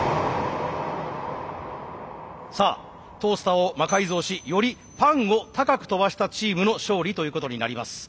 さあトースターを魔改造しよりパンを高く跳ばしたチームの勝利ということになります。